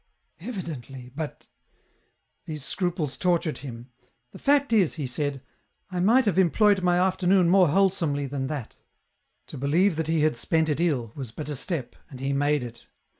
235 ''Evideiuly, but these scruples tortured him ;" the fact is," he said, "I might have employed my afternoon more wholesomely than that ;" to believe that he had spent it ill was but a step, and he made it.